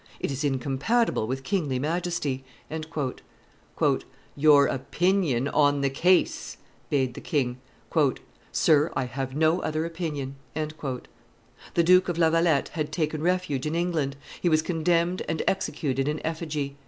It is incompatible with kingly majesty." "Your opinion on the case!" bade the king. "Sir, I have no other opinion." The Duke of La Valette had taken refuge in England: he was condemned and executed in effigy.